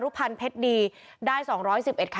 กรุงเทพฯมหานครทำไปแล้วนะครับ